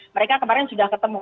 mereka kemarin sudah ketemu